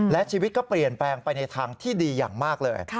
และชีวิตก็เปลี่ยนแปลงไปในทางที่ดีอย่างมากเลย